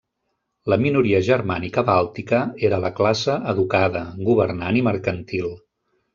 La minoria germànica bàltica era la classe educada, governant i mercantil.